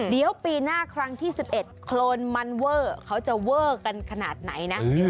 เดี๋ยวปีหน้าครั้งที่๑๑โครนมันเวอร์เขาจะเวอร์กันขนาดไหนนะ